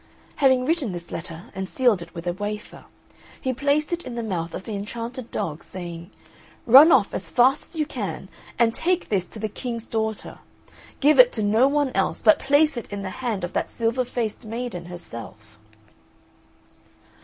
Having written this letter, and sealed it with a wafer, he placed it in the mouth of the enchanted dog, saying, "Run off as fast as you can and take this to the King's daughter. Give it to no one else, but place it in the hand of that silver faced maiden herself."